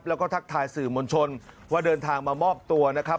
แล้วก็ทักทายสื่อมวลชนว่าเดินทางมามอบตัวนะครับ